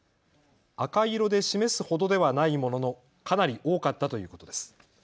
赤色で示す程ではないもののかなり多かったということです。